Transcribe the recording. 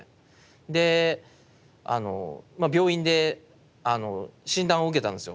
で病院で診断を受けたんですよ。